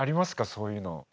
そういうの。